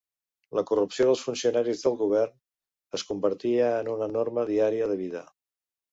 La corrupció dels funcionaris del govern es convertia en una norma diària de vida.